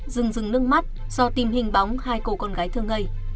rừng rừng nước mắt do tim hình bóng hai cô con gái thơ ngây